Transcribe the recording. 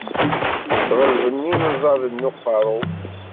Ɣelben inẓaden n uqerru-w.